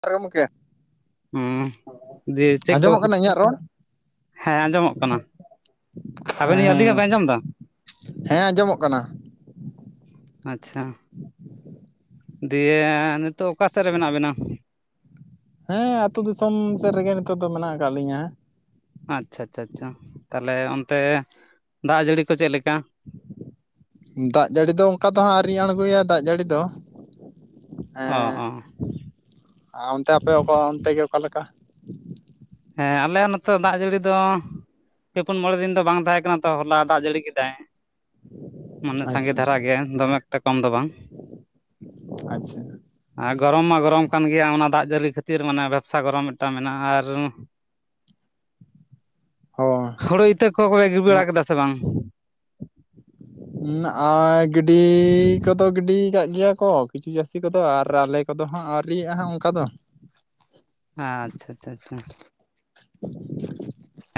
ᱡᱟᱦᱟᱨ ᱜᱮ ᱜᱚᱢᱠᱮ ᱦᱩᱸ ᱫᱤᱭᱮ ᱾ ᱪᱮᱫ ᱠᱚ ᱟᱸᱡᱚᱢᱚᱜ ᱠᱟᱱᱟ ᱤᱧᱟᱹᱜ ᱨᱚᱲ? ᱦᱮᱸ ᱟᱸᱡᱚᱢᱚᱜ ᱠᱟᱱᱟ ᱟᱵᱮᱱ ᱟᱹᱞᱤᱧᱟᱜ ᱦᱮᱸ ᱵᱮᱱ ᱟᱸᱡᱚᱢ ᱫᱟ? ᱦᱮᱸ ᱟᱸᱡᱚᱢᱚᱜ ᱠᱟᱱᱟ ᱾ ᱟᱪᱪᱷᱟ ᱫᱤᱭᱮ ᱱᱤᱛᱳ ᱚᱠᱟ ᱥᱮᱫ ᱨᱮ ᱢᱮᱱᱟᱜ ᱵᱮᱱᱟ? ᱦᱮᱸ ᱟᱹᱛᱩ ᱫᱤᱥᱚᱢ ᱥᱮᱫ ᱨᱮᱜᱮ ᱱᱤᱛᱚᱜ ᱫᱚ ᱢᱮᱱᱟᱜ ᱟᱠᱟᱫ ᱞᱤᱧᱟᱹ᱾ ᱟᱪᱪᱷᱟ ᱪᱪᱷᱟ ᱪᱷᱟ ᱛᱟᱦᱚᱞᱮ ᱚᱱᱛᱮ ᱫᱟᱜ ᱡᱟᱹᱲᱤ ᱠᱚ ᱪᱮᱫ ᱞᱮᱠᱟ? ᱫᱟᱜ ᱡᱟᱹᱲᱤ ᱫᱚ ᱚᱱᱠᱟ ᱫᱚ ᱦᱟᱸᱜ ᱟᱹᱣᱨᱤᱧ ᱟᱬᱜᱚ ᱭᱟ ᱫᱟᱜ ᱡᱟᱹᱲᱤ ᱫᱚ᱾ ᱚ ᱚ ᱦᱮᱸᱻ ᱚᱱᱛᱮ ᱟᱯᱮ ᱚᱱᱛᱮ ᱜᱮ ᱚᱠᱟᱞᱮᱠᱟ? ᱦᱮᱸ ᱟᱞᱮᱭᱟᱜ ᱱᱚᱛᱮ ᱫᱟᱜ ᱡᱟᱹᱲᱤ ᱫᱚ, ᱯᱮ ᱯᱩᱱ ᱢᱚᱬᱮ ᱫᱤᱱ ᱫᱚ ᱵᱟᱝ ᱛᱟᱦᱮᱸ ᱠᱟᱱᱟ ᱛᱚ ᱦᱚᱞᱟ ᱫᱟᱜ ᱡᱟᱹᱲᱤ ᱠᱮᱫᱟᱭ ᱾ ᱢᱟᱱᱮ ᱥᱟᱸᱜᱮ ᱟᱪᱪᱷᱟ ᱫᱷᱟᱨᱟ ᱜᱮ ᱫᱚᱢᱮ ᱮᱠᱴᱟ ᱠᱚᱢ ᱫᱚ ᱵᱟᱝ ᱾ ᱟᱪᱪᱷᱟ ᱾ ᱟᱨ ᱜᱚᱨᱚᱢ ᱢᱟ ᱜᱚᱨᱚᱢ ᱠᱟᱱ ᱜᱮᱭᱟ ᱚᱱᱟ ᱫᱟᱜ ᱡᱟᱹᱲᱤ ᱠᱷᱟᱹᱛᱤᱨ ᱢᱟᱱᱮ ᱵᱮᱵᱽᱥᱟ ᱜᱚᱨᱚᱢ ᱢᱤᱫᱴᱟᱝ ᱢᱮᱱᱟᱜᱼᱟ, ᱟᱨ ᱦᱳᱭ ᱦᱳᱲᱩ ᱤᱛᱟᱹ ᱠᱚᱠᱚ ᱜᱤ ᱵᱟᱲᱟ ᱠᱮᱫᱟ ᱥᱮ ᱵᱟᱝ? ᱟᱨ ᱜᱤᱰᱤ ᱠᱚᱫᱚ ᱜᱤᱰᱤ ᱠᱟᱜ ᱜᱮᱭᱟ ᱠᱚ ᱠᱤᱪᱷᱩ ᱡᱟᱹᱥᱛᱤ ᱠᱚᱫᱚ, ᱟᱨ ᱟᱞᱮ ᱠᱚᱫᱚ ᱦᱟᱸᱜ ᱟᱹᱣᱨᱤᱭᱮᱜᱼᱟ ᱦᱟᱸᱜ ᱚᱱᱠᱟ ᱫᱚ ᱾ ᱟᱪᱪᱷᱟ - ᱪᱷᱟ -ᱪᱷᱟ ᱾ [inaudible]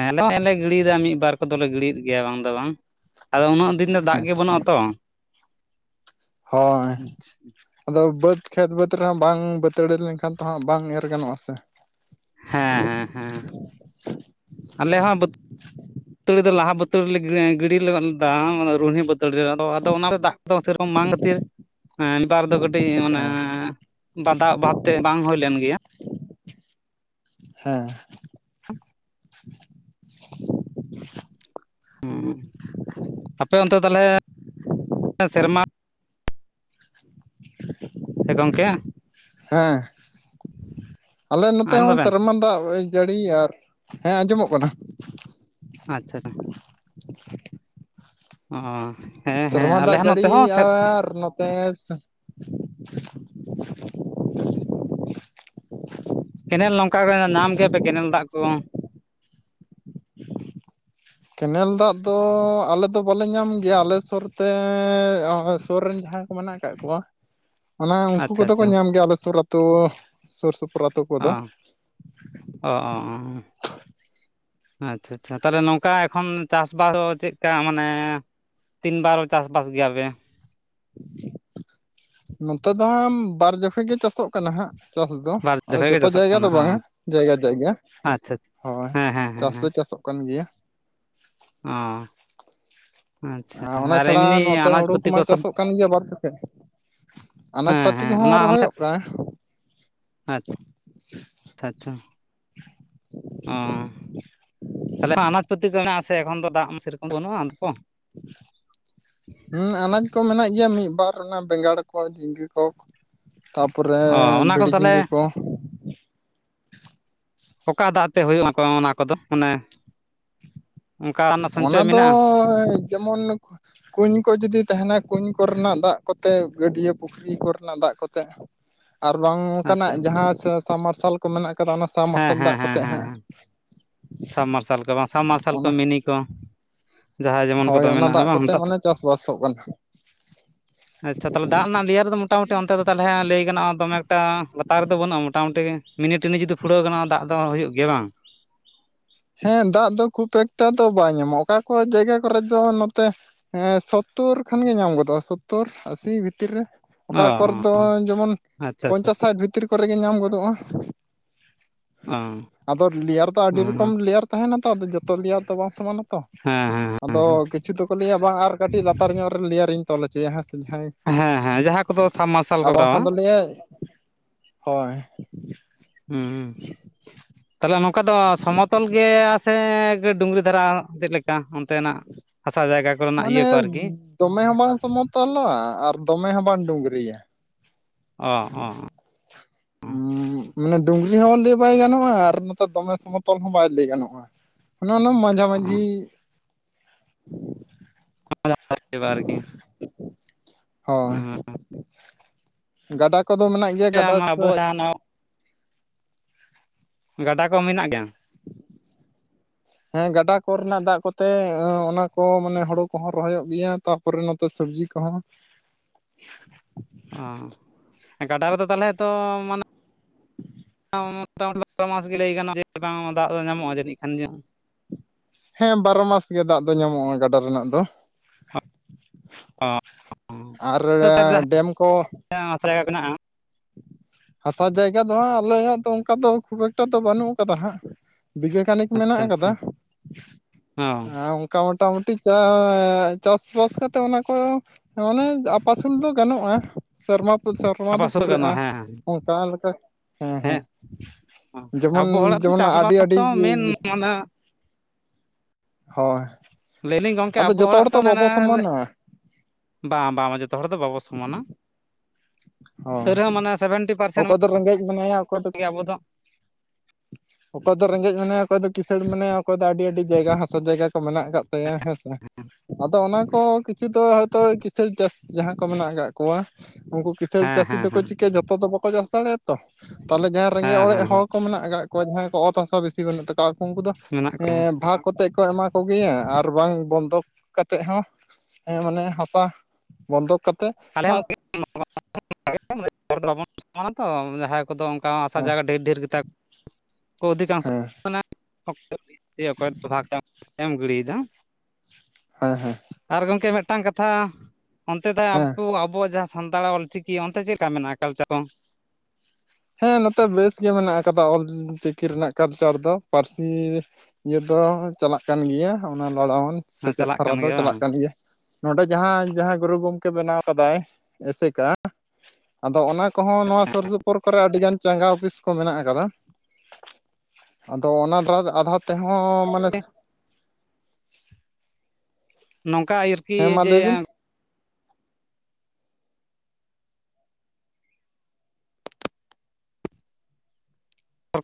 ᱦᱮᱸ [unintelligible] ᱞᱮ ᱜᱤᱰᱤᱭᱮᱫᱟ ᱢᱤᱫ ᱵᱟᱨ ᱠᱚᱫᱚᱞᱮ ᱜᱤᱲᱤᱭᱮᱫ ᱜᱮᱭᱟ ᱵᱟᱝ ᱫᱚ ᱵᱟᱝ ᱟᱫᱚ ᱩᱱᱟᱹᱜ ᱫᱤᱱ, ᱫᱟᱜ ᱜᱮ ᱟᱪᱪᱷᱟ ᱵᱟᱹᱱᱩᱜᱼᱟᱛᱚ ᱾ ᱦᱳᱭ ᱾ ᱟᱫᱚ ᱵᱟᱹᱫᱽ ᱠᱷᱮᱛ ᱵᱟᱹᱫᱽ ᱨᱮᱦᱚᱸ ᱵᱟᱝ ᱵᱟᱹᱛᱟᱹᱲ ᱞᱮᱱᱠᱷᱟᱱ ᱛᱚ ᱦᱟᱸᱜ ᱵᱟᱝ ᱮᱨ ᱜᱟᱱᱚᱜᱼᱟ ᱥᱮ ᱾ ᱦᱮᱸ ᱦᱮᱸ ᱦᱮᱸ ᱟᱞᱮ ᱦᱚᱸ, ᱵᱟᱹᱛᱟᱹᱲᱤ ᱫᱚ ᱞᱟᱦᱟ ᱵᱟᱹᱛᱟᱹᱲᱤ ᱨᱮ ᱞᱮ ᱜᱤᱰᱤ ᱞᱮ ᱫᱟ ᱨᱩᱱᱦᱤ ᱵᱟᱹᱛᱟᱹᱲ ᱨᱮᱫᱚ ᱟᱫᱚ ᱚᱱᱟ ᱫᱟᱜ ᱥᱮᱨᱚᱠᱚᱢ ᱵᱟᱝ ᱠᱷᱟᱹᱛᱤᱨ ᱱᱮᱛᱟᱨ ᱫᱚ ᱠᱟᱹᱴᱤᱡ ᱢᱟᱱᱮ ᱦᱮᱸ ᱵᱟᱫᱷᱟ ᱵᱷᱟᱵᱛᱮ ᱵᱟᱝ ᱦᱩᱭᱞᱱ ᱜᱮᱭᱟ ᱾ ᱦᱮᱸ ᱾ ᱦᱩᱸ ᱟᱯᱮ ᱚᱱᱛᱮ ᱛᱟᱦᱚᱞᱮ ᱥᱮᱨᱢᱟ ᱦᱮ ᱜᱚᱝᱠᱮ᱾ ᱦᱮᱸ ᱟᱞᱮ ᱱᱚᱛᱮ ᱟᱸᱡᱚᱢ ᱦᱚᱸ ᱫᱟᱵᱮᱱ ᱥᱮᱨᱢᱟ ᱫᱟᱜ ᱡᱟᱹᱲᱤᱭᱟ᱾ ᱦᱮᱸ ᱟᱸᱡᱚᱢᱚᱜ ᱠᱟᱱᱟ ᱾ ᱟᱪᱪᱷᱟ ᱾ ᱚᱻ ᱥᱮᱨᱢᱟ ᱫᱟᱜ ᱡᱟᱹᱲᱤᱭᱟᱜ ᱟᱨ ᱱᱚᱛᱮ ᱠᱮᱱᱮᱞ ᱱᱚᱝᱠᱟ ᱠᱚ ᱧᱟᱢ ᱜᱮᱭᱟᱯᱮ ᱠᱮᱱᱮᱞ ᱫᱟᱜ ᱠᱚ? ᱠᱮᱱᱮᱞ ᱫᱟᱜ ᱫᱚ ᱟᱞᱮᱫᱚ ᱵᱟᱞᱮ ᱧᱟᱢ ᱜᱮᱭᱟ, ‌ᱟᱞᱮ ᱥᱩᱨᱛᱮ ᱥᱩᱨ ᱨᱮᱱ ᱡᱟᱦᱟᱸ ᱢᱮᱱᱟᱜ ᱟᱠᱟᱫ ᱠᱚᱣᱟ ᱾ [unintelligible] ᱚᱱᱟ ᱩᱱᱠᱩ ᱟᱪᱪᱷᱟ ᱠᱚᱫᱚ ᱠᱚ ᱟᱪᱪᱷᱟ ᱧᱟᱢ ᱜᱮᱭᱟ ᱟᱞᱮ ᱥᱩᱨ ᱟᱹᱛᱩ ᱥᱩᱨ ᱥᱩᱯᱩᱨ ᱟᱹᱛᱩ ᱠᱚᱫᱚ ᱾ ᱚ - ᱚ - ᱚ ᱟᱪᱪᱷᱟ ᱟᱪᱪᱷᱟ ᱛᱟᱦᱚᱞᱮ ᱱᱚᱝᱠᱟ ᱮᱠᱷᱚᱱ ᱪᱟᱥᱵᱟᱥ ᱫᱚ ᱪᱮᱫᱞᱠᱟ ᱢᱟᱱᱮ ᱛᱤᱱ ᱵᱟᱨ ᱪᱟᱥᱵᱟᱥ ᱜᱮᱭᱟ ᱯᱮ? ᱱᱚᱛᱮ ᱫᱚ ᱦᱟᱸᱜ ᱵᱟᱨ ᱡᱚᱠᱷᱚᱱ ᱜᱮ ᱪᱟᱥᱚᱜ ᱠᱟᱱᱟ ᱦᱟᱸᱜ ᱾ ᱪᱟᱥ ᱫᱚ ᱵᱟᱨ ᱟᱫᱚ ᱡᱚᱠᱷᱚᱡ ᱜᱮ ᱡᱚᱛᱚ ᱪᱟᱥᱚᱜ ᱡᱟᱭᱜᱟ ᱠᱟᱱᱟ ᱫᱚ ᱚ ᱵᱟᱝ ᱟ᱾ ᱡᱟᱭᱜᱟ - ᱡᱟᱭᱜᱟ ᱟᱪᱪᱷᱟ ᱟᱪᱪᱷᱟ ᱾ ᱦᱳᱭ ᱦᱮᱸ ᱦᱮᱸ ᱦᱮᱸ ᱪᱟᱥᱫᱚ ᱦᱮᱸ ᱪᱟᱥᱚᱜ ᱠᱟᱱ ᱜᱮᱭᱟ ᱾ ᱚ ᱟᱪᱪᱷᱟ ᱟᱨ ᱚᱱᱟ ᱪᱷᱟᱲᱟ ᱮᱢᱱᱤ ᱱᱚᱛᱮ ᱟᱱᱟᱡ ᱦᱩᱲᱩ ᱯᱟᱹᱛᱤ ᱠᱚᱢᱟ ᱠᱚ ᱥᱚᱵ ᱪᱟᱥᱚᱜ ᱠᱟᱱ ᱜᱮᱭᱟ ᱵᱟᱨ ᱪᱚᱠᱷᱮᱡ ᱾ ᱟᱱᱟᱡᱽ ᱦᱮᱸ ᱯᱟᱟᱹᱛᱤ ᱦᱮᱸ ᱚᱱᱟ ᱠᱚᱦᱚᱸ ᱟᱪᱪᱷᱟ ᱨᱚᱦᱚᱭᱚᱜ ᱠᱟᱱᱟ ᱾ ᱟᱪᱪᱷᱟ - ᱪᱷᱟ ᱪᱷᱟ ᱾ ᱚ ᱛᱟᱦᱚᱞᱮ ᱟᱱᱟᱡ ᱯᱟᱹᱛᱤ ᱠᱚ ᱢᱮᱱᱟᱜ ᱟᱥᱮ ᱮᱠᱷᱚᱱ ᱫᱚ, ᱫᱟᱜ ᱢᱟ ᱥᱮᱨᱚᱠᱚᱢ ᱵᱟᱹᱱᱩᱜᱼᱟ ᱾ ᱦᱩᱸ ᱟᱱᱟᱡᱽ ᱠᱚ ᱢᱮᱱᱟᱜ ᱜᱮᱭᱟ ᱢᱤᱫᱼ ᱵᱟᱨ ᱚᱱᱟ ᱵᱮᱸᱜᱟᱲ ᱠᱚ, ᱡᱷᱤᱸᱜᱟ ᱠᱚ ᱾ ᱛᱟᱨᱯᱚᱨᱮ ᱚ ᱚᱱᱟ ᱠᱚᱫᱚ ᱵᱷᱤᱰᱤ ᱛᱟᱦᱚᱞᱮ ᱡᱷᱤᱸᱜᱟᱹ ᱠᱚ ᱾ ᱚᱠᱟ ᱫᱟᱜ ᱛᱮ ᱦᱩᱭᱩᱜᱼᱟ ᱟᱯᱮ ᱚᱱᱟ ᱠᱚᱫᱚ ᱢᱟᱱᱮᱼᱼ ᱚᱱᱟ ᱫᱚ ᱢᱮᱱᱟᱜᱼᱟ ᱡᱮᱢᱚᱱᱼᱼ ᱠᱩᱧ ᱠᱚ ᱡᱩᱫᱤ ᱛᱟᱦᱮᱱᱟ ᱠᱩᱧ ᱠᱚᱨᱮᱱᱟᱜ ᱫᱟᱜ ᱠᱚᱛᱮᱜ, ᱜᱟᱹᱰᱭᱟᱹ ᱯᱩᱠᱷᱨᱤ ᱠᱚᱨᱮᱱᱟᱜ ᱫᱟᱜ ᱠᱚᱛᱮᱜ ᱾ ᱟᱨ ᱵᱟᱝ ᱟᱪᱪᱷᱟ ᱚᱱᱠᱟᱱᱟᱜ ᱡᱟᱦᱟᱸ ᱥᱟᱵᱢᱟᱨᱥᱟᱞ ᱠᱚ ᱢᱮᱱᱟᱜ ᱠᱟᱫᱟ ᱚᱱᱟ ᱦᱮᱸ ᱥᱟᱵᱢᱟᱨᱥᱟᱞ ᱦᱮᱸ ᱫᱟᱜ ᱠᱚᱼᱼ ᱦᱮᱸ ᱦᱮᱸ ᱛᱟᱦᱮᱜᱼᱼ ᱦᱮᱸ ᱥᱟᱵᱢᱟᱨᱥᱟᱞ ᱠᱚ ᱵᱟᱝ ᱥᱟᱵᱢᱟᱨᱥᱟᱞ ᱠᱚ ᱢᱤᱱᱤ ᱠᱚ ᱡᱟᱦᱟᱸᱭ ᱡᱮᱢᱚᱱ ᱠᱚᱫᱚ ᱢᱮᱱᱟᱜᱼᱟ ᱵᱟᱝ ᱾ ᱵᱟᱥᱚᱜ ᱠᱟᱱᱟ ᱾ ᱟᱪᱪᱷᱟ ᱛᱟᱦᱚᱞᱮ ᱫᱟᱜ ᱨᱮᱱᱟᱜ ᱞᱮᱤᱭᱟᱨ ᱫᱚ ᱢᱚᱴᱟᱢᱩᱴᱤ ᱚᱱᱛᱮ ᱫᱚ ᱛᱟᱦᱚᱞᱮ ᱦᱟᱸᱜ ᱞᱟᱹᱭ ᱜᱟᱱᱚᱜᱼᱟ ᱫᱚᱢᱮ ᱮᱠᱴᱟ ᱞᱟᱛᱟᱨ ᱨᱮᱫᱚ ᱵᱟᱹᱱᱩᱜᱼᱟ ᱢᱚᱴᱟᱢᱩᱴᱤᱼᱼ ᱢᱤᱱᱤᱼᱴᱤᱱᱤ ᱡᱩᱫᱤ ᱯᱷᱩᱲᱟᱹᱣ ᱜᱟᱱᱚᱜ-ᱟ ᱫᱟᱜ ᱫᱚ ᱦᱩᱭᱩᱜ ᱜᱮᱭᱟ ᱵᱟᱝ ᱾ ᱦᱮᱸ ᱫᱟᱜ ᱫᱚ ᱠᱷᱩᱵ ᱮᱠᱴᱟ ᱫᱚ ᱵᱟᱭ ᱧᱟᱢᱚᱜᱼᱟ ᱚᱠᱟ ᱠᱚ ᱡᱟᱭᱜᱟ ᱠᱚᱨᱮ ᱫᱚ ᱱᱚᱛᱮᱼᱼ ᱦᱮᱸ ᱥᱳᱛᱛᱳᱨ ᱠᱷᱚᱱᱜ ᱜᱮ ᱧᱟᱢ ᱜᱚᱫᱚᱜᱼᱟ ᱥᱳᱛᱛᱳᱨ ᱟᱥᱤ ᱵᱷᱤᱛᱤᱨ ᱨᱮ ᱾ ᱚᱠᱟ ᱠᱚᱨᱮ ᱚ ᱫᱚ ᱡᱮᱢᱚᱱ ᱟᱪᱪᱷᱟ ᱟᱪᱪᱷᱟ ᱯᱚᱧᱪᱟᱥ ᱟᱪᱪᱷᱟ ᱥᱟᱴ ᱵᱷᱤᱼᱼ ᱵᱷᱤᱛᱤᱨ ᱠᱚᱨᱮ ᱜᱮ ᱧᱟᱢ ᱜᱚᱫᱚᱜᱼᱟ, ᱚ ᱟᱫᱚ ᱞᱮᱭᱟᱨ ᱫᱚ ᱟᱹᱰᱤᱼᱼ ᱦᱮᱸ ᱞᱮᱭᱟᱨ ᱛᱟᱦᱮᱱᱟ ᱛᱚ ᱟᱫᱚ ᱡᱚᱛᱚ ᱞᱮᱭᱟᱨ ᱫᱚ ᱵᱟᱝ ᱥᱚᱢᱟᱱᱼᱟ ᱛᱚ ᱦᱮᱸ ᱾ ᱟᱫᱚ ᱦᱮᱸ ᱠᱤᱪᱷᱩ ᱫᱚᱠᱚ ᱞᱟᱹᱭᱟ ᱵᱟᱝ ᱟᱨ ᱠᱟᱹᱴᱤᱡ ᱞᱟᱛᱟᱨ ᱧᱚᱜ ᱨᱮ ᱞᱮᱭᱟᱨᱤᱧ ᱛᱚᱞ ᱦᱚᱪᱚᱮᱭᱟ ᱦᱮᱸ ᱥᱮ ᱡᱟᱦᱟᱸᱭ ᱦᱮᱸ ᱦᱮᱸ ᱡᱟᱦᱟᱸ ᱠᱚᱫᱚ ᱥᱟᱵ ᱢᱟᱨᱥᱟᱞ ᱾ ᱟᱨ ᱠᱚ ᱵᱟᱝᱠᱷᱟᱱ ᱠᱚᱨᱟᱣᱟ ᱫᱚ ᱞᱟᱹᱭᱟᱭ, ᱦᱳᱭ ᱾ ᱦᱩᱸ ᱛᱟᱦᱚᱞᱮ ᱱᱚᱝᱠᱟ ᱫᱚ ᱥᱚᱢᱚᱛᱚᱞ ᱜᱮᱭᱟ ᱾ ᱦᱮᱸ ᱰᱩᱝᱨᱤ ᱫᱷᱟᱨᱟ ᱪᱮᱫ ᱞᱮᱠᱼᱼ ᱠᱟ ᱚᱱᱛᱮᱱᱟᱜ ᱦᱟᱥᱟ ᱡᱟᱭᱜᱟ ᱠᱚᱨᱮᱱᱟᱜ ᱤᱭᱟᱹ ᱠᱚ ᱟᱨᱠᱤᱼᱼ ᱛᱚᱞᱚᱜ-ᱟ ᱟᱨ ᱫᱚᱢᱮ ᱦᱚᱸ ᱵᱟᱝ ᱰᱩᱝᱨᱤᱭᱟ ᱾ ᱚ ᱚ ᱦᱩᱸ ᱢᱟᱱᱮ ᱰᱩᱝᱨᱤ ᱦᱚᱸ ᱞᱟᱹᱭ ᱵᱟᱭ ᱜᱟᱱᱚᱜᱼᱟ ᱟᱨ ᱱᱚᱛᱮ ᱫᱚᱢᱮ ᱥᱚᱢᱚᱛᱚᱞ ᱦᱚᱸ ᱵᱟᱭ ᱞᱟᱹᱭ ᱜᱟᱱᱚᱜᱼᱟ ᱾ ᱚᱱᱟ ᱨᱮᱱᱟᱝ ᱢᱟᱡᱷᱟ ᱢᱟᱹᱡᱷᱤᱼᱼ ᱟᱨᱠᱤ [unintelligible] ᱟᱫ ᱪᱟᱵᱟᱜᱼᱟ ᱟᱨᱠᱤᱼᱼ ᱦᱚᱭ ᱜᱟᱰᱟ ᱠᱚᱫᱚ ᱢᱮᱱᱟᱜ ᱜᱮᱭᱟ ᱜᱟᱰᱟᱼᱼ ᱟᱵᱚᱣᱟᱜ ᱡᱟᱦᱟᱸ ᱜᱟᱰᱟ ᱠᱚ ᱢᱮᱱᱟᱜ ᱜᱮᱭᱟ ᱾ ᱦᱮᱸ ᱜᱟᱰᱟ ᱠᱚᱨᱮᱱᱟᱜ ᱫᱟᱜ ᱠᱚᱛᱮ ᱚᱱᱟ ᱠᱚ ᱢᱟᱱᱮ ᱦᱩᱲᱩ ᱠᱚᱦᱚᱸ ᱨᱚᱦᱚᱭᱚᱜ ᱜᱮᱭᱟ ᱛᱚ ᱾ ᱯᱚᱨᱮ ᱱᱚᱛᱮ ᱥᱚᱵᱽᱡᱤ ᱠᱚᱦᱚᱸᱼᱼ ᱚ ᱜᱟᱰᱟ ᱨᱮᱫᱚ ᱛᱟᱦᱚᱞᱮ ᱛᱚ ᱢᱟᱱᱮᱼᱼ [inaudible] ᱵᱟᱨᱚ ᱢᱟᱥ ᱜᱮ ᱞᱟᱹᱭ ᱜᱟᱱᱚᱜᱼᱟ ᱡᱮ ᱵᱟᱝ ᱫᱟᱜ ᱫᱚ ᱧᱟᱢᱚᱜᱼᱟ ᱡᱟᱹᱱᱤᱡ ᱠᱷᱟᱱ ᱡᱟ ᱦᱮᱸ ᱵᱟᱨᱚ ᱢᱟᱥ ᱜᱮ ᱫᱟᱜ ᱫᱚ ᱧᱟᱢᱚᱜᱼᱟ ᱜᱟᱰᱟ ᱨᱮᱱᱟᱜ ᱫᱚ ᱾ ᱟᱨ ᱰᱮᱢ ᱠᱚ, ᱟᱞᱮ ᱦᱚᱸ ᱦᱟᱥᱟ ᱡᱟᱭᱜᱟ ᱢᱮᱱᱟᱜᱼᱟ ᱾ ᱦᱟᱥᱟ ᱡᱟᱭᱜᱟ ᱫᱚ ᱦᱟᱸᱜ ᱟᱞᱮᱭᱟᱜ ᱫᱚ ᱚᱱᱠᱟ ᱫᱚ ᱠᱷᱩᱵ ᱮᱠᱴᱟ ᱫᱚ ᱵᱟᱹᱱᱩᱜ ᱟᱠᱟᱫᱟ ᱦᱟᱸᱜ ᱾ ᱵᱤᱜᱷᱮ ᱜᱟᱱᱤᱠ ᱢᱮᱱᱟᱜ ᱟᱪᱪᱷᱟ ᱟᱠᱟᱫᱟ ᱟᱪᱪᱷᱟ ᱚ ᱾ ᱚᱱᱠᱟ ᱢᱚᱴᱟᱢᱩᱴᱤ ᱪᱟ ᱪᱟᱥᱵᱟᱥ ᱠᱟᱛᱮᱜ ᱚᱱᱟ ᱠᱚᱼᱼ ᱚᱱᱮ ᱟᱯᱟᱥᱩᱞ ᱫᱚ ᱜᱟᱱᱚᱜᱼᱟ ᱥᱮᱨᱢᱟ ᱯᱩᱨ ᱥᱮᱨᱢᱟ ᱟᱯᱟ ᱫᱚ ᱥᱩᱨ ᱯᱩᱨᱟᱹᱜᱼᱟ ᱜᱟᱱᱚᱜᱼᱟ ᱦᱮᱸ ᱾ ᱚᱝᱠᱟ ᱞᱮᱠᱟ ᱦᱮᱸ ᱦᱮᱸ᱾ ᱡᱮᱢᱚᱱ, ᱟᱵᱚ ᱦᱚᱲᱟᱜ ᱫᱚ ᱡᱮᱢᱚᱱ ᱟᱹᱰᱤ ᱪᱟᱥᱵᱟᱥ ᱟᱹᱰᱤ ᱫᱚ ᱢᱮᱱ ᱚᱱᱟ ᱦᱚᱭ ᱞᱟᱹᱭᱟᱞᱤᱧ ᱜᱚᱝᱠᱮ ᱟᱵᱚ ᱦᱚᱲᱟᱜ ᱛᱚ ᱚᱱᱮ ᱥᱚᱢᱟᱱᱟ ᱵᱟᱝ ᱵᱟᱝ ᱡᱷᱚᱛᱚ ᱦᱚᱲ ᱫᱚ ᱵᱟᱵᱚ ᱥᱚᱢᱟᱱᱟ ᱾ ᱦᱚᱸ ᱥᱮᱵᱷᱮᱱᱴᱤ ᱯᱟᱨᱥᱮᱱ ᱚᱠᱚᱭ ᱫᱚ ᱨᱮᱸᱜᱮᱡ ᱢᱮᱱᱟᱭᱟ ᱚᱠᱚᱭ ᱫᱚ ᱜᱮ ᱟᱵᱚ ᱚᱠᱚᱭ ᱫᱚ ᱨᱮᱸᱜᱮᱡ ᱢᱮᱱᱟᱭᱟᱼᱼ ᱚᱠᱚᱭ ᱫᱚ ᱠᱤᱥᱟᱹᱬ ᱢᱮᱱᱟᱭᱟ, ᱚᱠᱚᱭ ᱫᱚ ᱟᱹᱰᱤ ᱟᱹᱰᱤ ᱡᱟᱭᱜᱟ ᱦᱟᱥᱟ ᱡᱟᱭᱜᱟ ᱠᱚ ᱢᱮᱱᱟᱜ ᱟᱠᱟᱫ ᱛᱟᱭᱟ ᱦᱮᱸ ᱥᱮ᱾ ᱟᱫᱚ ᱚᱱᱟ ᱠᱚ ᱠᱤᱪᱷᱩ ᱫᱚ ᱦᱚᱭᱛᱚ ᱠᱤᱥᱟᱹᱬ ᱪᱟᱥ ᱡᱟᱦᱟᱸ ᱠᱚ ᱢᱮᱱᱟᱜ ᱠᱟᱜ ᱠᱚᱣᱟ ᱩᱱᱠᱩ ᱠᱤᱥᱟᱹᱬ ᱦᱮᱸ ᱪᱟᱹᱥᱤ ᱦᱮᱸ ᱫᱚᱠᱚ ᱦᱮᱸ ᱪᱤᱠᱟᱹ, ᱡᱚᱛᱚ ᱫᱚ ᱵᱚᱠᱚ ᱪᱟᱥ ᱫᱟᱲᱮ ᱟᱛᱚ! ᱛᱟᱦᱞᱮ ᱡᱟᱸ ᱨᱮᱸᱜᱮ ᱦᱮᱸ ᱚᱨᱮᱜ ᱦᱮᱸ ᱦᱮᱸ ᱦᱚᱣ ᱠᱚ ᱢᱮᱱᱟᱜ ᱠᱟᱫ ᱠᱚ, ᱡᱟᱦᱟᱸᱭ ᱠᱚ ᱚᱛ ᱦᱟᱥᱟ ᱵᱮᱥᱤ ᱵᱟᱹᱱᱩᱜ ᱛᱟᱠᱚᱣ ᱩᱝᱠᱩ ᱫᱚ, ᱢᱮᱱᱟᱜ ᱠᱚᱣᱟ ᱮᱸᱼᱢ ᱵᱷᱟᱜᱽ ᱠᱚᱛᱮᱜ ᱠᱚ, ᱮᱢᱟ ᱠᱚ ᱜᱮᱭᱟ ᱟᱨ ᱟᱨᱵᱟᱝ ᱵᱚᱱᱫᱚᱠ ᱠᱟᱛᱮᱜ ᱦᱚᱸ, ᱮᱸ ᱢᱟᱱᱮᱦ ᱦᱚᱥᱟ ᱵᱚᱱᱫᱚᱠ ᱠᱟᱛᱮ᱾ ᱟᱞᱮ [inaudible] ᱥᱚᱢᱟᱱᱟᱛᱚ, ᱢᱟᱧᱟᱦᱟᱭ ᱠᱚᱫᱚ ᱚᱝᱠᱟ ᱦᱟᱥᱟ ᱡᱟᱭᱜᱟ ᱰᱷᱮᱹᱨ ᱰᱷᱮᱹᱨ ᱜᱮᱛᱟ ᱠᱚ ᱚᱫᱷᱤᱠᱟᱝᱥᱚ, ᱦᱮᱸ ᱦᱮᱸ ᱟᱱᱟ ᱚᱠ [inaudible] ᱮᱢ ᱜᱤᱲᱤᱭᱮᱫᱟ᱾ ᱦᱮᱸ, ᱦᱮᱸ! ᱟᱨ ᱜᱚᱝᱠᱮ ᱢᱮᱜᱴᱟᱝ ᱠᱟᱛᱷᱟ, ᱚᱱᱛᱮ ᱫᱟ ᱟᱵ ᱦᱮᱸ ᱠᱩᱣᱟ ᱟᱵᱚᱣᱟ ᱡᱟᱼᱦ ᱥᱟᱱᱛᱟᱲᱟᱜ 'ᱚᱞᱪᱤᱠᱤ' ᱚᱱᱛᱮ ᱪᱮᱜ ᱞᱮᱠᱟ ᱢᱮᱱᱟᱜᱼᱟ, ᱠᱟᱞᱪᱟᱨ ᱠᱚᱸ? ᱦᱮᱸ, ᱱᱚᱛᱮ ᱵᱮᱥ ᱜᱮ ᱢᱮᱱᱟᱜ ᱟᱠᱟᱫᱟ, 'ᱚᱞ ᱫᱤᱼᱨ ᱪᱤᱠᱤ' ᱨᱮᱱᱟᱜ ᱠᱟᱞᱪᱟᱨ ᱫᱚ᱾ ᱯᱟᱨᱥᱤ ᱤᱭᱟᱹ ᱫᱚ ᱪᱟᱞᱟᱜ ᱠᱟᱱ ᱜᱮᱹᱭᱟ, ᱦᱚᱱᱟ ᱞᱟᱲᱟᱣᱚᱱ ᱥᱮᱪᱮᱫ ᱪᱟᱞᱟᱜ ᱯᱷᱨᱟ ᱠᱟᱱ ᱫᱚ ᱜᱮᱭᱟ ᱵᱟᱝ ᱪᱟᱞᱟᱜ ᱠᱟᱱ ᱜᱮᱹᱭᱟ᱾ ᱱᱚᱰᱮ ᱡᱟᱦᱟᱸ, ᱡᱟᱦᱟᱸ ᱜᱩᱨᱩ ᱜᱚᱢᱠᱮ ᱵᱮᱱᱟᱣ ᱠᱟᱫᱟᱭ 'ᱮᱥᱮᱠᱟ', ᱟᱫᱚ ᱚᱱᱟ ᱠᱚᱦᱚᱸ ᱱᱚᱣᱟ ᱥᱩᱨ ᱥᱩᱯᱩᱨ ᱠᱚᱨᱮ ᱟᱰᱤ ᱜᱟᱱ ᱪᱟᱸᱜᱟ ᱚᱯᱤᱥ ᱠᱚ ᱢᱮᱱᱟᱜ ᱟᱠᱟᱫᱟ᱾ ᱟᱫᱚ ᱚᱱᱟ ᱫᱷᱟᱲᱟ ᱫᱚ ᱟᱫᱷᱟ ᱛᱮᱦᱚᱸ ᱢᱟᱱᱮᱹᱥ ᱱᱚᱝᱠᱟ ᱟᱭᱮᱨᱠᱤ ᱦᱮᱸ ᱢᱟ ᱡᱮ ᱞᱟᱹᱭ ᱵᱤᱱ ᱮᱸ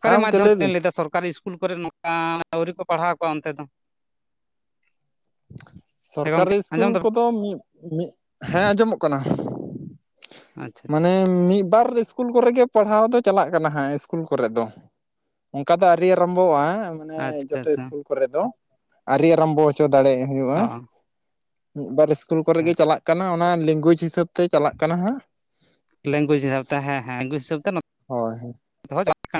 ᱦᱮᱸ ᱜᱚᱢᱠᱮ ᱢᱟᱫᱽᱫᱷᱚᱢ ᱞᱟᱹᱭ ᱵᱤᱱ [inaudible] ᱞᱟᱹᱭᱫᱟ ᱥᱚᱨᱠᱟᱨᱤ ᱤᱥ- -ᱩᱞ ᱠᱚᱨᱮ [inaudible] ᱟᱹᱣᱨᱤ ᱠᱚ ᱯᱟᱲᱦᱟᱣ ᱠᱚᱣᱟ ᱚᱱᱛᱮ ᱫᱚ? ᱦᱮᱸ ᱜᱚᱢᱠᱮ ᱥᱚᱨᱠᱟᱨᱤᱥ ᱠᱩᱞ ᱟᱸᱡᱚᱢ ᱫᱟᱵᱮᱱ ᱠᱚᱫᱚ ᱢᱤᱜ-ᱢᱤᱜ, ᱦᱮᱸ ᱟᱡᱚᱢᱚᱜ ᱠᱟᱱᱟ᱾ ᱟᱪᱪᱷᱟ ᱟᱪᱪᱷᱟ ᱢᱟᱱᱮ ᱢᱤᱜ ᱵᱟᱨ ᱤᱥ- -ᱠᱩᱞ ᱠᱚᱨᱮ ᱜᱮ ᱯᱟᱲᱦᱟᱣ ᱫᱚ ᱪᱟᱞᱟᱜ ᱠᱟᱱᱟ ᱦᱟᱸᱜ, ᱤᱥᱠᱩᱞ ᱠᱚᱨᱮ ᱫᱚ᱾ ᱚᱝᱠᱟ ᱫᱚ ᱟᱨᱤ ᱟᱨᱟᱢᱵᱚᱣᱟᱸ᱾ ᱢᱟᱱᱮ ᱟᱪᱪᱷᱟ ᱡᱚᱛᱚ ᱟᱪᱪᱷᱟ ᱤᱥᱠᱩᱞ ᱠᱚᱨᱮ ᱫᱚ, ᱟᱨᱤ ᱟᱨᱟᱢᱵᱚ ᱚᱪᱚ ᱫᱟᱲᱮ ᱮ ᱦᱩᱭᱩᱜᱼᱟ᱾ ᱚ ᱢᱤᱜ ᱵᱟᱨ ᱤᱥᱠᱩᱞ ᱠᱚᱨᱮ ᱟᱪᱪᱷᱟ ᱜᱮ ᱪᱟᱞᱟᱜ ᱠᱟᱱᱟ᱾ ᱚᱱᱟ ᱞᱤᱝᱜᱩᱭᱤᱡᱽ ᱦᱤᱥᱟᱹᱵᱽ ᱞᱮᱝᱜᱩᱥ ᱥᱤᱥᱟᱵ ᱛᱮ ᱦᱮ, ᱦᱮᱸ ᱮᱝᱜᱩᱥ ᱥᱟᱹᱵ ᱛᱮ᱾ ᱱᱚ ᱦᱳᱭ [inaudible]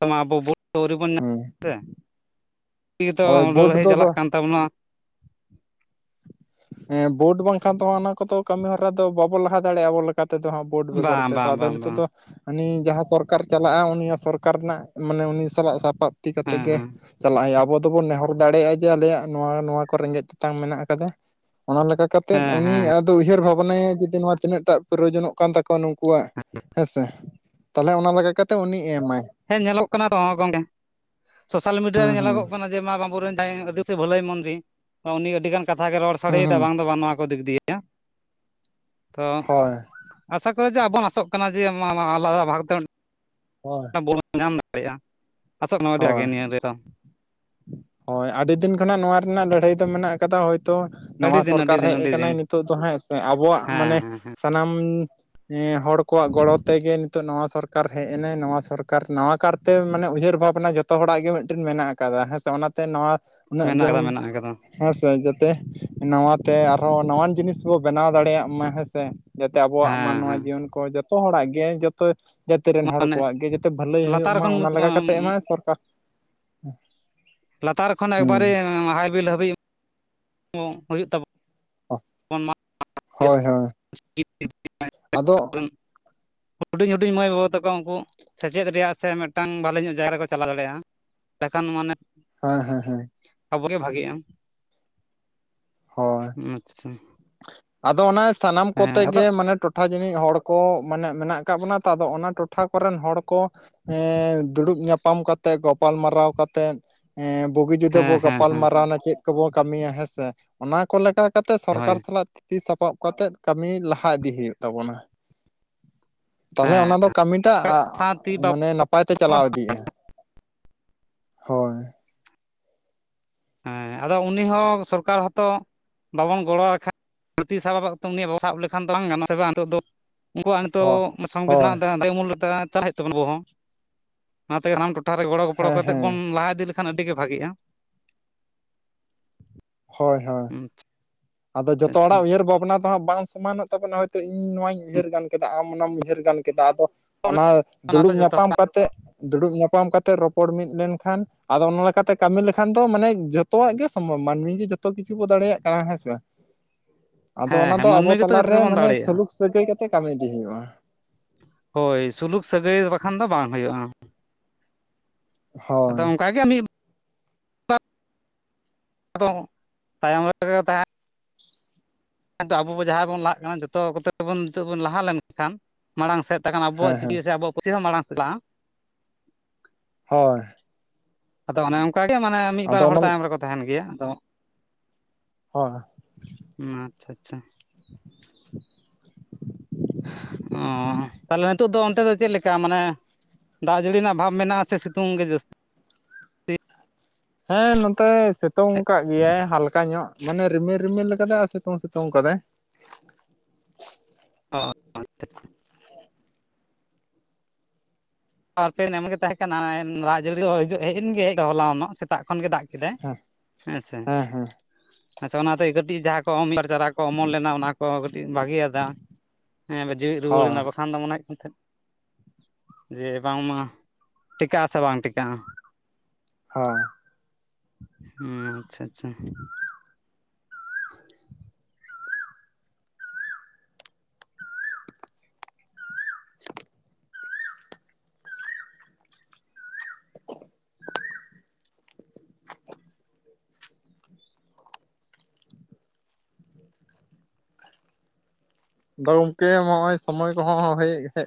ᱠᱟᱱᱟ ᱟᱵᱚ ᱵᱚ ᱟᱹᱣᱨᱤ ᱵᱚᱱ ᱧᱟ ᱦᱮᱸ [inaudible] ᱤᱜᱮᱛᱚ ᱦᱳᱭ ᱚᱸ ᱵᱳᱰ ᱞᱟᱹᱲᱦᱟᱹᱭ ᱫᱚ ᱪᱟᱞᱟᱜ ᱠᱟᱱ ᱛᱟᱵᱚᱱᱟ᱾ ᱮᱸ ᱵᱳᱴ ᱵᱟᱝᱠᱷᱟᱱ ᱛᱚ, ᱟᱱᱟ ᱠᱚᱫᱚ ᱠᱟᱹᱢᱤᱦᱚᱨᱟ ᱫᱚ ᱵᱟᱵᱚ ᱞᱟᱦᱟ ᱫᱟᱲᱮᱜᱼᱟ, ᱟᱵᱚ ᱞᱮᱠᱟ ᱛᱮᱫᱚ ᱦᱟᱢ! ᱠᱳᱴ ᱵᱮᱜᱚᱨ ᱵᱟᱝ ᱛᱮᱫᱟ, ᱵᱟᱝ ᱟᱫᱚ ᱵᱟᱝ ᱱᱤᱛᱚᱜ ᱵᱟᱝ ᱫᱚ ᱟᱱᱤ ᱡᱟᱦᱟᱸ ᱥᱚᱨᱠᱟᱨ ᱪᱟᱞᱟᱜᱼᱟ, ᱩᱱᱤᱭᱟ ᱥᱚᱨᱠᱟᱨ ᱨᱮᱱᱟᱜ, ᱢᱟᱱᱮ ᱩᱱᱤ ᱥᱟᱞᱟᱜ ᱥᱟᱯᱟᱯ ᱛᱤ ᱠᱟᱛᱮᱜ ᱦᱮᱸ ᱜᱮ ᱦᱮᱸ ᱪᱟᱞᱟ ᱟᱭ, ᱟᱵᱚ ᱫᱚᱵᱚᱱ ᱱᱮᱦᱚᱨ ᱫᱟᱲᱮᱭᱟᱜᱼᱟ, ᱡᱮ ᱟᱞᱮᱭᱟᱜ ᱱᱚᱣᱟ-ᱱᱚᱣᱟ ᱠᱚ ᱨᱮᱸᱜᱮᱡ ᱛᱮᱛᱟᱝ ᱢᱮᱱᱟᱜ ᱟᱠᱟᱫᱟ᱾ ᱚᱱᱟ ᱞᱮᱠᱟ ᱠᱟᱛᱮᱫ ᱦᱮᱸ ᱩᱱᱤ ᱦᱮᱸ ᱟᱫᱚ ᱩᱭᱦᱟᱹᱨ ᱵᱷᱟᱵᱽᱱᱟᱭᱟ, ᱡᱩᱫᱤ ᱱᱚᱣᱟ ᱛᱤᱱᱟᱹᱜ ᱴᱟᱜ ᱯᱳᱨᱳᱡᱚᱱᱚᱜ ᱠᱟᱱ ᱛᱟᱠᱚᱣᱟ ᱱᱩᱝᱠᱩᱣᱟᱜ, ᱦᱮᱸᱥᱮ ᱛᱟᱞᱮ ᱚᱱᱟ ᱞᱮᱠᱟᱛᱮᱜ ᱩᱱᱤ ᱮᱢᱟᱭ᱾ ᱦᱮᱸ ᱧᱮᱞᱚᱜ ᱠᱟᱱᱟ ᱛᱚᱸ ᱜᱚᱝᱠᱮ, ᱥᱳᱥᱟᱞ ᱢᱤᱰᱤᱭᱟ ᱦᱩᱸ ᱨᱮ ᱦᱩᱸ ᱧᱮᱞᱚᱜᱚᱜ ᱠᱟᱱᱟ᱾ ᱡᱮ ᱢᱟ ᱵᱟᱸᱵᱚ ᱨᱮᱱ ᱡᱟᱦᱟᱭ ᱮᱱᱟᱜ ᱠᱚ ᱫᱩᱥᱮ ᱵᱷᱟᱹᱞᱟᱹᱭ ᱢᱚᱱᱛᱨᱤ, ᱚ ᱩᱱᱤ ᱟᱹᱰᱤ ᱜᱟᱱ ᱠᱟᱛᱷᱟ ᱜᱮ ᱨᱚᱲ ᱦᱩᱸ ᱥᱟᱰᱮᱭᱮᱫᱟ᱾ ᱦᱩᱸ ᱵᱟᱝ ᱫᱚ ᱵᱟᱝ ᱱᱚᱣᱟ ᱠᱚ ᱫᱤᱠ ᱫᱤᱭᱮ᱾ ᱭᱟᱸᱜ ᱛᱚ ᱦᱳᱭ ᱟᱥᱟ ᱠᱚᱨ ᱡᱮ ᱟᱵᱚᱱ ᱟᱥᱚᱜ ᱠᱟᱱᱟ, ᱡᱮ ᱢᱟ-ᱢᱟ ᱟᱞᱟᱫᱟ ᱵᱷᱟᱜᱽᱛᱮ ᱢᱮᱜ ᱚ᱾ ᱦᱳᱭ [inaudible] ᱪᱚᱱᱱᱟ ᱱᱚᱣᱟ ᱨᱮᱱᱟᱜ ᱞᱟᱹᱲᱦᱟᱹᱭ ᱫᱚ ᱢᱮᱱᱟᱜ ᱟᱠᱟᱫᱟ ᱳᱭᱛᱚ! ᱟᱹᱰᱤ ᱱᱟᱣᱟ ᱫᱤᱱ ᱟᱹᱰᱤ ᱥᱚᱨᱠᱟᱨ ᱫᱤᱱ ᱨᱮᱡ ᱟᱹᱰᱤ ᱫᱤᱱ ᱠᱟᱱᱟᱭ᱾ ᱱᱤᱛᱚᱜ ᱫᱚ ᱦᱟᱸᱜ ᱮᱸᱥᱮ ᱟᱵᱚᱣᱟᱜ ᱦᱮᱸ ᱢᱟᱱᱮᱦ ᱦᱮᱸ ᱦᱮᱸ ᱥᱟᱱᱟᱢ ᱧᱮ ᱦᱚᱲ ᱠᱚᱣᱟᱜ ᱜᱚᱲᱚ ᱛᱮᱜᱮ, ᱱᱤᱛᱚᱜ ᱱᱟᱣᱟ ᱥᱚᱨ- -ᱠᱟᱨ ᱦᱮᱡ ᱮᱱᱟᱭ ᱱᱟᱣᱟ ᱥᱚᱨᱠᱟᱨ᱾ ᱱᱟᱣᱟ ᱠᱟᱨᱛᱮ ᱢᱟᱱᱮ ᱩᱭᱦᱟᱹᱨ ᱵᱷᱟᱵᱽ- -ᱯᱱᱟ ᱡᱚᱛᱚ ᱦᱚᱲᱟᱜ ᱜᱮ ᱢᱤᱜᱴᱤᱱ ᱢᱮᱱᱟᱜ ᱟᱠᱟᱫᱟ, ᱦᱮᱸ ᱥᱮ ᱚᱱᱟᱛᱮ ᱱᱟᱣᱟ ᱩᱱᱟᱹᱜ ᱢᱮᱱᱟᱜ ᱡᱮᱢᱚᱱ ᱟᱠᱟᱫᱟ ᱢᱮᱱᱟᱜ ᱟᱠᱟᱫᱟ ᱦᱮᱸ ᱥᱮ ᱡᱮᱛᱮᱦ ᱱᱟᱣᱟᱛᱮ ᱟᱨᱦᱚ ᱱᱟᱣᱟᱱ ᱡᱤᱱᱤᱥ ᱵᱚ ᱵᱮᱱᱟᱣ ᱫᱟᱲᱮᱭᱟᱜ ᱢᱟ, ᱦᱮᱸ ᱥᱮ! ᱡᱟᱛᱮ ᱟᱵᱚᱣᱟᱜ ᱦᱮᱸ ᱢᱟᱱᱣᱟ ᱦᱮᱸ ᱡᱤᱣᱚᱱ ᱠᱚ, ᱡᱚᱛᱚ ᱦᱚᱲᱟᱜ ᱜᱮ ᱡᱚᱫ ᱡᱟᱹᱛᱤ ᱨᱮᱱ ᱦᱚᱲ ᱢᱟᱱᱮ ᱠᱚᱣᱟᱜ ᱜᱮ ᱡᱟᱛᱮ ᱵᱷᱟᱹᱞᱟᱹᱭ ᱦᱩᱭᱩᱜ ᱞᱟᱛᱟᱨ ᱢᱟ ᱠᱷᱚᱱ ᱚᱱᱟ ᱞᱮᱠᱟ ᱠᱟᱛᱮᱫ ᱮᱢᱟᱭᱼᱼ ᱥᱚᱨᱠᱟᱨ ᱞᱟᱛᱟᱨ ᱠᱷᱚᱱ ᱦᱩᱸ ᱮᱠᱵᱟᱨᱮ ᱦᱟᱭᱵᱤᱞ ᱦᱟᱹᱵᱤᱡ ᱦᱩᱭᱩᱜ ᱛᱟᱵᱚᱱᱟ᱾ ᱚᱱ ᱦᱳᱭ ᱦᱳᱭ ᱟᱫᱚ [unintelligible] ᱦᱩᱰᱤᱧ ᱦᱩᱰᱤᱧ ᱢᱟᱹᱭ ᱵᱟᱵᱳ ᱛᱟᱠᱚᱣᱟ ᱩᱱᱠᱩ᱾ ᱥᱮᱪᱮᱫ ᱨᱮᱭᱟᱜ ᱥᱮ ᱢᱤᱫᱴᱟᱱ ᱵᱷᱟᱞᱞᱤ ᱧᱚᱜ ᱡᱟᱭᱜᱟ ᱨᱮᱠᱚ ᱪᱟᱞᱟᱣ ᱫᱟᱲᱮᱭᱟᱜᱼᱟᱠᱷᱟᱱ ᱢᱟᱱᱮᱼᱼ ᱦᱮᱸ ᱦᱮᱸ ᱦᱮᱸ ᱟᱵᱚ ᱜᱮ ᱵᱷᱟᱜᱤᱼᱟ᱾ ᱦᱳᱭ ᱟᱪᱪᱷᱟ ᱟᱫᱚ ᱚᱱᱟ ᱥᱟᱱᱟᱢ ᱦᱮᱸ ᱠᱚᱛᱮ ᱟᱫᱚ ᱜᱮ ᱢᱟᱱᱮᱼᱼ ᱴᱚᱴᱷᱟ ᱡᱟᱹᱱᱤᱡ ᱦᱚᱲ ᱠᱚ ᱢᱟᱱᱮ ᱢᱮᱱᱟᱜ ᱟᱠᱟᱫ ᱵᱚᱱᱟ ᱛᱚ ᱟᱫᱚ ᱚᱱᱟ ᱴᱚᱴᱷᱟ ᱠᱚᱨᱮᱱ ᱦᱚᱲ ᱠᱚᱼᱼ ᱦᱮᱸ ᱫᱩᱲᱩᱵ ᱧᱟᱯᱟᱢ ᱠᱟᱛᱮᱜ ᱜᱟᱯᱟᱞ ᱢᱟᱨᱟᱣ ᱠᱟᱛᱮᱫᱼᱼ ᱵᱩᱜᱤ ᱡᱩᱫᱟᱹ ᱦᱮᱸ ᱵᱚ ᱦᱮᱸ ᱜᱟᱯᱟᱞ ᱦᱮᱸ ᱢᱟᱨᱟᱣᱱᱟ ᱪᱮᱫ ᱠᱚᱵᱚᱱ ᱠᱟᱹᱢᱤᱭᱟ ᱦᱮᱸᱥᱮ ᱚᱱᱟ ᱠᱚ ᱞᱮᱠᱟᱼᱼ ᱠᱟᱛᱮ ᱦᱳᱭ ᱥᱚᱨᱠᱟᱨ ᱥᱟᱞᱟᱜ ᱛᱤᱻᱛᱤ ᱥᱟᱯᱟᱵ ᱠᱟᱛᱮᱜ ᱠᱟᱹᱢᱤ ᱞᱟᱦᱟ ᱤᱫᱤ ᱦᱩᱭᱩᱜ ᱛᱟᱵᱚᱱᱟ᱾ ᱛᱟᱦᱚᱞᱮ ᱦᱮᱸ ᱚᱱᱟ ᱫᱚ ᱠᱟᱹᱢᱤᱴᱟᱜ ᱥᱟᱶᱛᱮ ᱵᱟ ᱢᱟᱱᱮ ᱱᱟᱯᱟᱭ ᱛᱮ ᱪᱟᱞᱟᱣ ᱤᱫᱤᱜᱼᱟ᱾ ᱦᱳᱭ ᱦᱮᱸ ᱟᱫᱚ ᱩᱱᱤ ᱦᱚᱸ ᱥᱚᱨᱠᱟᱨ ᱦᱚᱸᱛᱚᱼᱼ ᱵᱟᱵᱚᱱ ᱜᱚᱲᱚᱟᱭ [unintelligible] ᱥᱟᱵ ᱩᱱᱤᱭᱟᱜ ᱵᱟᱵᱟ ᱥᱟᱵ ᱞᱮᱠᱷᱟᱱ ᱫᱚ ᱵᱟᱝ ᱜᱟᱱᱚᱜᱼᱟ ᱥᱮ ᱵᱟᱝ ᱱᱤᱛᱚᱜ ᱫᱚᱼᱼ ᱩᱱᱠᱩᱣᱟᱜ ᱱᱤᱛᱚᱜ ᱦᱳᱭ ᱥᱚᱝ ᱵᱤᱫᱷᱟᱱ ᱦᱳᱭ ᱫᱟᱭ ᱢᱩᱞᱞᱚᱛᱟ ᱪᱟᱞᱟᱜ ᱦᱩᱭᱩᱜ ᱛᱟᱵᱚᱱᱟ ᱟᱵᱚ ᱦᱚᱸ ᱚᱱᱟᱛᱮ ᱥᱟᱱᱟᱢ ᱴᱚᱴᱷᱟ ᱨᱮ ᱜᱚᱲᱚ ᱜᱚᱯᱚᱲᱚ ᱦᱮᱸ ᱠᱟᱛᱮᱫ ᱦᱮᱸ ᱵᱚᱱ ᱞᱟᱦᱟ ᱤᱫᱤ ᱞᱮᱠᱷᱟᱱ ᱟᱹᱰᱤ ᱜᱮ ᱵᱷᱤᱜᱼᱟ᱾ ᱦᱳᱭ ᱦᱳᱭ ᱦᱚᱢ ᱟᱫᱚ ᱡᱚᱛᱚ ᱦᱚᱲᱟᱜ ᱩᱭᱦᱟᱹᱨ ᱵᱷᱟᱵᱽᱱᱟᱼᱼ ᱵᱟᱝ ᱥᱚᱢᱟᱱᱚᱜ ᱛᱟᱵᱚᱱᱟ ᱦᱚᱭᱛᱳ ᱤᱧ ᱱᱚᱣᱟᱧ ᱩᱭᱦᱟᱹᱨ ᱜᱟᱱ ᱠᱮᱫᱟ ᱟᱢ ᱚᱱᱟᱢ ᱩᱭᱦᱟᱹᱨ ᱜᱟᱱ ᱠᱮᱫᱟ ᱟᱫᱚ ᱚᱱᱟ᱾ ᱚᱱᱟ ᱫᱚ ᱫᱩᱲᱩᱵ ᱡᱚᱛᱚ ᱧᱟᱯᱟᱢ ᱦᱚᱲᱟᱜ ᱠᱟᱛᱮᱫᱼᱼ ᱫᱩᱲᱩᱵ ᱧᱟᱯᱟᱢ ᱠᱟᱛᱮᱜ ᱨᱚᱯᱚᱲ ᱢᱤᱫ ᱞᱮᱱᱠᱷᱟᱱ ᱟᱫᱚ ᱚᱱᱟ ᱞᱮᱠᱟᱛᱮ ᱠᱟᱹᱢᱤ ᱞᱮᱠᱷᱟᱱ ᱫᱚ ᱢᱟᱱᱮ ᱡᱷᱚᱛᱼᱼ ᱡᱷᱚᱛᱚᱣᱟᱜ ᱜᱮ ᱥᱚᱢᱵᱷᱚᱰ ᱢᱟᱹᱱᱢᱤ ᱜᱮ ᱡᱚᱛᱚ ᱠᱤᱪᱷᱩ ᱵᱟ ᱫᱟᱲᱭᱟᱜ ᱠᱟᱱᱟ ᱦᱮᱸᱥᱮᱼᱼ ᱟᱫᱚ ᱦᱮᱸ ᱚᱱᱟ ᱦᱮᱸ ᱫᱚ ᱟᱵᱚ ᱢᱟᱹᱱᱢᱤ ᱜᱮᱛᱚ ᱡᱚᱛᱚ ᱛᱟᱞᱟᱨᱮ ᱜᱮᱵᱚᱱ ᱢᱟᱱᱮ ᱫᱟᱲᱮᱭᱟᱜᱼᱟ ᱥᱩᱞᱩᱠ ᱥᱟᱹᱜᱟᱹᱭ ᱠᱟᱛᱮ ᱠᱟᱹᱢᱤ ᱤᱫᱤ ᱦᱩᱭᱩᱜᱼᱟ᱾ ᱦᱳᱭ ᱥᱩᱞᱩᱠ ᱥᱟᱹᱜᱟᱹᱭ ᱵᱟᱠᱷᱟᱱ ᱫᱚ ᱵᱟᱝ ᱦᱩᱭᱩᱜᱼᱟ᱾ ᱟᱫᱚ ᱦᱳᱭ ᱚᱱᱠᱟ ᱜᱮ ᱢᱤᱫᱼᱼ ᱟᱫᱚ ᱛᱟᱭᱚᱢ ᱨᱮᱜᱮ ᱵᱟ ᱛᱟᱦᱮᱱᱼᱼ ᱱᱤᱛᱚᱜ ᱟᱵᱚ ᱵᱚ ᱡᱟᱦᱟᱸᱭ ᱵᱚᱱ ᱞᱟᱦᱟᱜ ᱠᱟᱱᱟ ᱡᱚᱛᱚ ᱠᱚᱛᱮ ᱵᱚᱱ ᱱᱤᱛᱚᱜ ᱵᱚᱱ ᱞᱟᱦᱟ ᱞᱮᱱᱠᱷᱟᱱ ᱢᱟᱲᱟᱝ ᱥᱮᱫ ᱛᱚᱠᱷᱟᱱ ᱟᱵᱚᱣᱟᱜ ᱦᱮᱸ ᱦᱮᱸ ᱪᱤᱠᱤ ᱥᱮ ᱟᱵᱚᱣᱟᱜ ᱯᱟᱹᱨᱥᱤ ᱦᱚᱸ ᱢᱟᱲᱟᱝ ᱪᱟᱞᱟᱜᱼᱟ᱾ ᱦᱳᱭ ᱟᱫᱚ ᱚᱱᱮ ᱚᱱᱠᱟᱜᱮ ᱢᱟᱱᱮ ᱢᱤᱫ ᱵᱟᱨ ᱟᱫᱚ ᱦᱚᱲ ᱚᱱᱟ ᱛᱟᱭᱚᱢ ᱨᱮᱠᱚ ᱛᱟᱦᱮᱱ ᱜᱮᱭᱟ ᱟᱫᱚ, ᱦᱳᱭ ᱟᱪᱪᱷᱟ ᱟᱪᱪᱷᱟ ᱚ ᱛᱟᱦᱞᱮ ᱱᱤᱛᱚᱜ ᱫᱚ ᱚᱱᱛᱮ ᱫᱚ ᱪᱮᱫ ᱞᱮᱠᱟ ᱢᱟᱱᱮ ᱫᱟᱜ ᱡᱟᱹᱲᱤ ᱨᱮᱱᱟᱜ ᱵᱷᱟᱵᱽ ᱢᱮᱱᱟᱜ-ᱟ ᱥᱮ ᱥᱤᱛᱩᱝ ᱜᱮ ᱡᱟᱹᱥᱛᱤᱼᱼ ᱦᱮᱸ ᱱᱚᱛᱮ ᱥᱤᱛᱩᱝ ᱟᱠᱟᱫ ᱜᱮᱭᱟᱭ ᱦᱟᱞᱠᱟ ᱧᱚᱜ ᱢᱟᱱᱮ ᱨᱤᱢᱤᱞ ᱨᱤᱢᱤᱞ ᱠᱟᱫᱟᱭ ᱟᱨ ᱥᱤᱛᱩᱝ ᱥᱤᱛᱩᱝ ᱠᱟᱫᱟᱭ᱾ ᱚ ᱟᱪᱪᱷᱟ ᱟᱪᱪᱷᱟ ᱟᱨᱯᱮ ᱱᱮᱢᱜᱮ ᱛᱟᱦᱮᱸ ᱠᱟᱱᱟᱭ ᱨᱟᱡᱽ ᱡᱟᱹᱲᱤ ᱦᱚᱸ ᱦᱤᱡᱩᱜ ᱦᱮᱡ ᱮᱱ ᱜᱮ ᱦᱮᱜ ᱫᱚ ᱦᱚᱞᱟ ᱱᱚᱜ ᱥᱮᱛᱟᱜ ᱠᱷᱚᱱ ᱜᱮ ᱫᱟᱜᱼᱼ ᱠᱮᱫᱟᱭ ᱦᱮᱸ ᱦᱮᱸᱥᱮ ᱦᱮᱸ ᱦᱮᱸ ᱟᱪᱪᱷᱟ ᱚᱱᱟᱛᱮ ᱠᱟᱹᱴᱤᱡ ᱡᱟᱦᱟᱸ ᱠᱚ ᱢᱤᱫ ᱵᱟᱨ ᱪᱟᱨᱟ ᱠᱚ ᱚᱢᱚᱱ ᱞᱮᱱᱟ ᱚᱱᱟ ᱠᱚ ᱠᱟᱹᱴᱤᱡ ᱵᱷᱟᱹᱜᱮᱭᱟᱫᱟ ᱦᱮᱸ ᱡᱤᱣᱮᱫ ᱦᱳᱭ ᱨᱩᱣᱟᱹᱲᱮᱱᱟ ᱵᱟᱠᱷᱟᱱ ᱫᱚ ᱢᱚᱱᱮ ᱦᱳᱭᱳᱜ ᱠᱟᱱ ᱛᱟᱦᱮᱸᱫ ᱡᱮ ᱵᱟᱝᱢᱟ ᱴᱤᱠᱟᱹᱜ-ᱟ ᱥᱮ ᱵᱟᱝ ᱴᱤᱠᱟᱹᱜᱼᱟ᱾ ᱦᱳᱭ ᱦᱩᱸ ᱟᱪᱪᱷᱟ ᱟᱪᱪᱷᱟ [inaudible] ᱟᱫᱚ ᱜᱚᱢᱠᱮ ᱦᱚᱸᱜ-ᱚᱭ ᱥᱚᱢᱚᱭ ᱠᱚᱦᱚᱸ ᱦᱳᱭ ᱦᱮᱡ